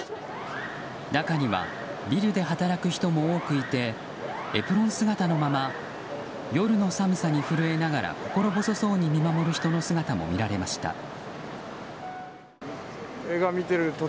中にはビルで働く人も多くいてエプロン姿のまま夜の寒さに震えながら心細そうに見守る人の姿も見られました。